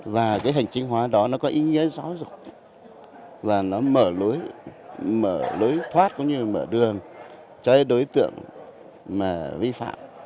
và cái hình chính hóa đó nó có ý nghĩa rõ ràng và nó mở lối thoát cũng như mở đường cho đối tượng mà vi phạm